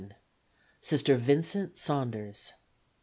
Sister Vincent Saunders.